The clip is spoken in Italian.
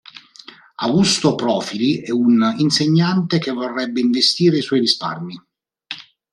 Augusto Profili è un insegnante che vorrebbe investire i suoi risparmi.